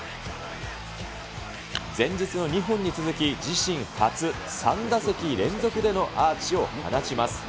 前日の２本に続き、自身初３打席連続でのアーチを放ちます。